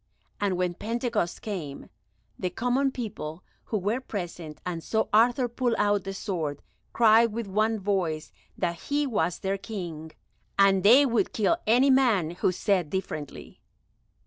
And when Pentecost came, the common people who were present, and saw Arthur pull out the sword, cried with one voice that he was their King, and they would kill any man who said differently.